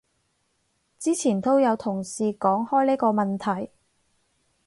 之前都有同事講開呢個問題